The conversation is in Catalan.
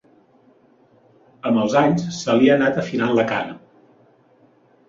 Amb els anys se li ha anat afilant la cara.